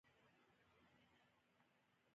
دوی د بشر سختې ستونزې حل کوي.